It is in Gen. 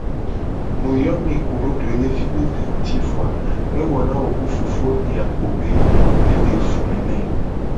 Mu yo mi kudo doelevi be de nguti vo a ewo na wo ku fofo nye a kpo be mu le de voe ne.